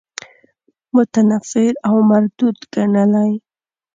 متنفر او مردود ګڼلی.